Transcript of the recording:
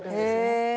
へえ。